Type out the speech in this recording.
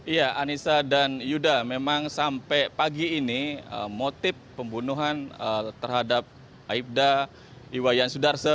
iya anissa dan yuda memang sampai pagi ini motif pembunuhan terhadap aibda iwayan sudarse